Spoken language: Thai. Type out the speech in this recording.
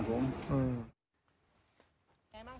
ตัวเองก็คอยดูแลพยายามเท็จตัวให้ตลอดเวลา